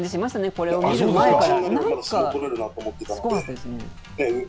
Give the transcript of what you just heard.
これを見る前から。